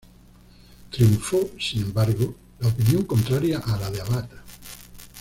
Triunfó, sin embargo, la opinión contraria a la de Abad.